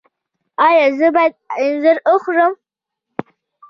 ایا زه باید انځر وخورم؟